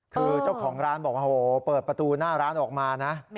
คือเจ้าของร้านบอกว่าโหเปิดประตูหน้าร้านออกมานะ